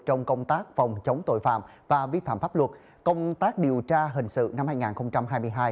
trong công tác phòng chống tội phạm và vi phạm pháp luật công tác điều tra hình sự năm hai nghìn hai mươi hai